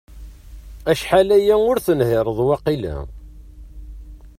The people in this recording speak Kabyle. Acḥal aya ur tenhireḍ waqila?